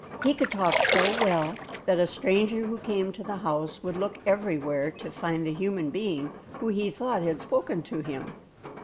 He could talk so well that a stranger who came to the house would look everywhere to find the human being who he thought had spoken to him.